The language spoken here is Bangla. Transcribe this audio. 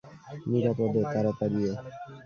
নিরাপদও, তাড়াতাড়িও।